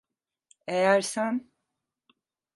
Eğer sen…